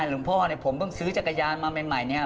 หลวงพ่อเนี่ยผมเพิ่งซื้อจักรยานมาใหม่เนี่ย